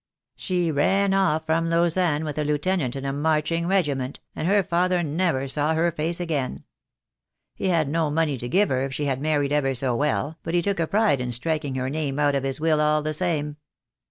She ran oft' from Lausanne with a lieutenant in a marching regiment, and her father never 172 THE DAY WILL COME. saw her face again. He had no money to give her if she had married ever so well, but he took a pride in striking her name out of his will all the same."